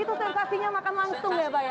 itu sensasinya makan langsung ya pak ya